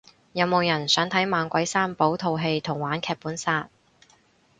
有冇人想睇猛鬼三寶套戲同玩劇本殺